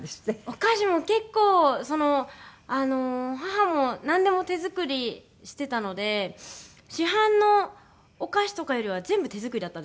お菓子も結構その母もなんでも手作りしてたので市販のお菓子とかよりは全部手作りだったんですよ。